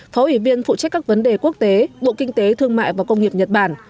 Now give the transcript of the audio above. phó ủy viên phụ trách các vấn đề quốc tế bộ kinh tế thương mại và công nghiệp nhật bản